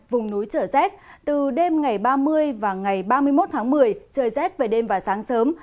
vùng núi trở rét từ đêm ngày ba mươi và ngày ba mươi một tháng một mươi trời rét về đêm và sáng sớm